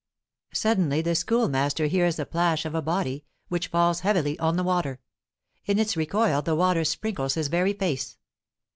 Suddenly the Schoolmaster hears the plash of a body, which falls heavily on the water; in its recoil the water sprinkles his very face.